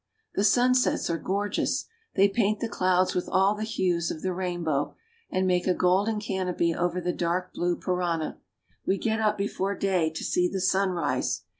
The sunsets are gor geous. They paint the clouds with all the hues of the rain bow, and make a golden canopy over the dark blue Parana. We get up before day to see the sun rise.